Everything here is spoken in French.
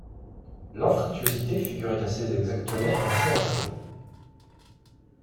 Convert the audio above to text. L’anfractuosité figurait assez exactement un four à chaux.